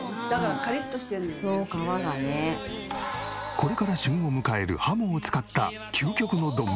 これから旬を迎える鱧を使った究極の丼。